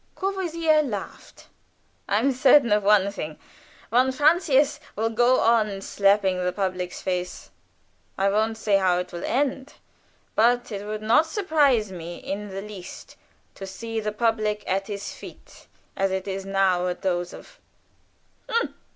Courvoisier laughed. "I'm certain of one thing: von Francius will go on slapping the public's face. I won't say how it will end; but it would not surprise me in the least to see the public at his feet, as it is now at those of " "Humph!"